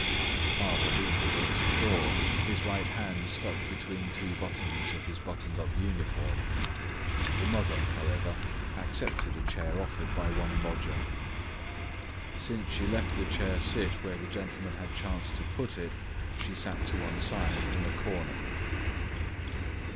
The father leaned against the door, his right hand stuck between two buttons of his buttoned up uniform. The mother, however, accepted a chair offered by one lodger. Since she left the chair sit where the gentleman had chanced to put it, she sat to one side in a corner.